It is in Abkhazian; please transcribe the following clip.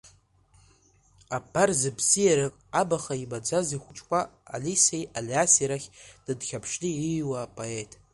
Абар, зыбзиарак абаха имаӡаз ихәыҷқәа Алисеи Алиаси рахь дынхьаԥшны ииҩуа апоет…